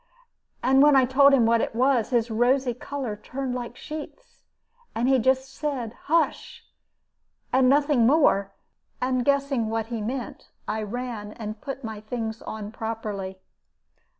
And when I told him what it was, his rosy color turned like sheets, and he just said, 'Hush!' and nothing more. And guessing what he meant, I ran and put my things on properly.